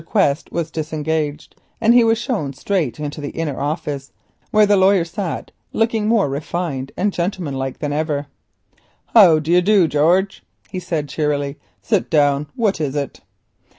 Quest was disengaged, and he was shown straight into the inner office, where the lawyer sat, looking more refined and gentlemanlike than ever. "How do you do, George?" he said cheerily; "sit down; what is it?"